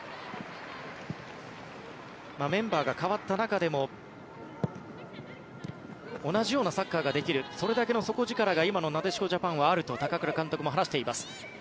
メンバーが変わった中でも同じようなサッカーができるそれだけの底力が今のなでしこジャパンはあると高倉監督は話しています。